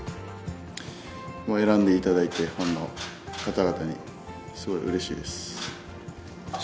選んでいただいて、ファンの方々にすごいうれしいです。